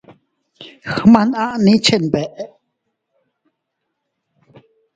Gmananni chenbeʼe.